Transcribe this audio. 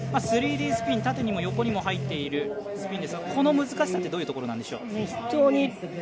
３Ｄスピン縦にも横にも入っているスピンですがこの難しさってどういうところなんでしょう。